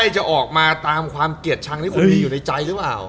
จะออกมาตามความเกลียดชังที่คุณมีอยู่ในใจหรือเปล่า